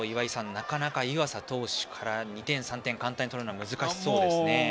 なかなか湯浅投手から２点、３点取るのは難しそうですね。